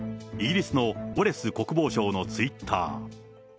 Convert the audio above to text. イギリスのウォレス国防相のツイッター。